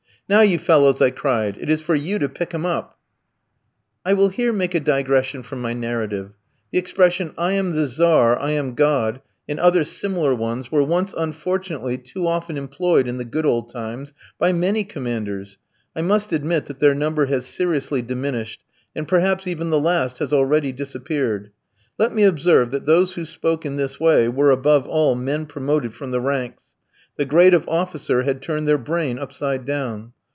"'Now, you fellows,' I cried, 'it is for you to pick him up.'" I will here make a digression from my narrative. The expression, "I am the Tzar! I am God!" and other similar ones were once, unfortunately, too often employed in the good old times by many commanders. I must admit that their number has seriously diminished, and perhaps even the last has already disappeared. Let me observe that those who spoke in this way were, above all, men promoted from the ranks. The grade of officer had turned their brain upside down.